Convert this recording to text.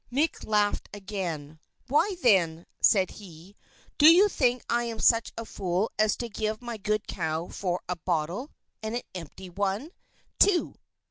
Mick laughed again. "Why, then," said he, "do you think I am such a fool as to give my good cow for a bottle and an empty one, too!